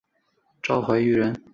赵怀玉人。